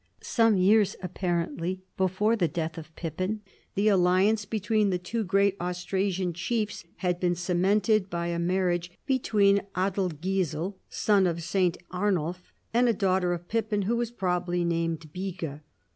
Some years apparently before the death of Pippin tlie alliance between the two great Austrasian chiefs had been cemented by a marriage between Adelgisel, son of St. Arnulf, and a daughter of Pippin, who was probably named Becga.